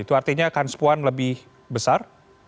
itu artinya kans puan lebih besar